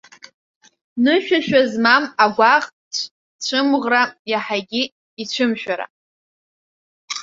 Нышәашьа змам агәаӷ-цәымӷра, иаҳагьы ицәымшәара.